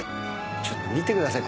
ちょっと見てください